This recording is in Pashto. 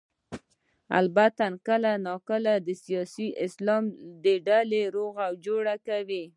البته کله نا کله د سیاسي اسلام ډلې روغه جوړه کوي.